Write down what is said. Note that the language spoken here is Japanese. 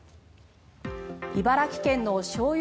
茨城県のしょうゆ